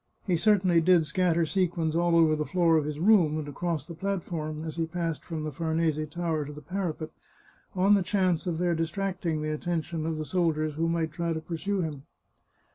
He certainly did scatter sequins all over the floor of his room and across the platform, as he passed from the Farnese Tower to the parapet, on the chance of their distracting the attention of the soldiers who might try to pursue him.